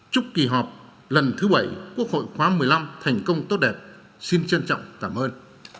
chúc kỳ họp lần thứ bảy quốc hội khóa một mươi năm thành công tốt đẹp xin trân trọng cảm ơn